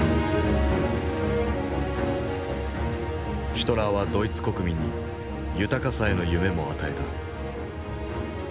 ヒトラーはドイツ国民に豊かさへの夢も与えた。